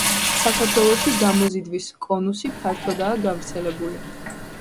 საქართველოში გამოზიდვის კონუსი ფართოდაა გავრცელებული.